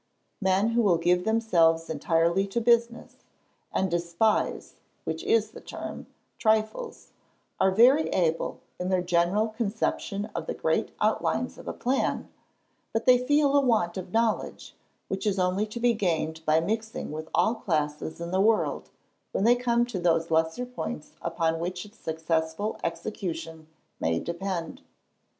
Men who will give themselves entirely to business, and despise (which is the term) trifles, are very able, in their general conception of the great outlines of a plan, but they feel a want of knowledge, which is only to be gained by mixing with all classes in the world, when they come to those lesser points upon which its successful execution may depend."